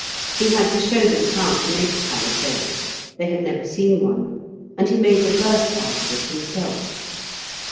He had to show them how to make a palisade; they had never seen one, and he made the first part of it himself.